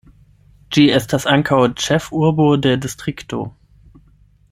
Ĝi estas ankaŭ ĉefurbo de distrikto.